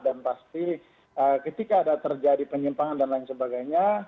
dan pasti ketika ada terjadi penyimpangan dan lain sebagainya